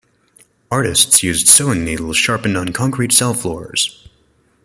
Artists used sewing needles sharpened on concrete cell floors.